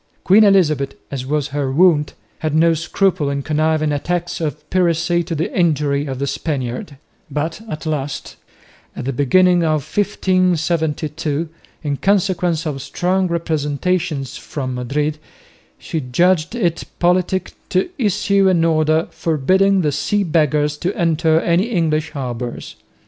Queen Elizabeth, as was her wont, had no scruple in conniving at acts of piracy to the injury of the Spaniard; but at last, at the beginning of 1572, in consequence of strong representations from Madrid, she judged it politic to issue an order forbidding the Sea Beggars to enter any English harbours.